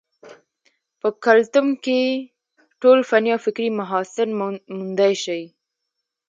پۀ کلتم کښې ټول فني او فکري محاسن موندے شي